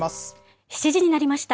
７時になりました。